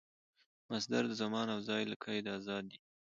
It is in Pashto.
مصدر د زمان او ځای له قیده آزاد يي.